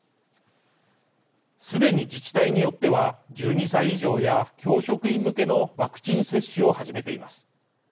すでに自治体によっては１２歳以上や教職員向けのワクチン接種を始めています。